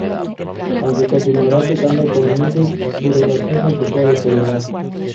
Aunque continuaría tocando con Miles, su relación se empezó a deteriorar.